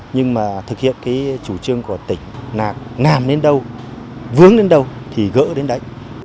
nhưng mà thực hiện cái chủ trương của tỉnh là làm đến đâu vướng đến đâu thì gỡ đến đấy